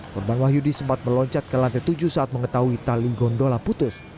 korban wahyudi sempat meloncat ke lantai tujuh saat mengetahui tali gondola putus